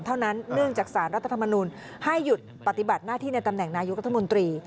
เนื่องจากสารรัฐธรรมนุนให้หยุดปฏิบัติหน้าที่ในตำแหน่งนายกรัฐมนตรี